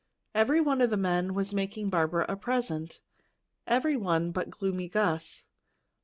Every one of the men was making Barbara a present every one but Gloomy Gus.